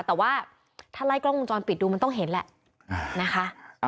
แต่ว่าถ้าไล่กล้องวงจรปิดดูมันต้องเห็นแหละนะคะ